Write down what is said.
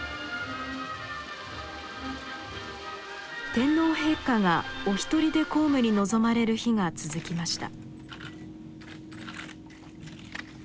天皇陛下がお一人で公務に臨まれる日が続きました。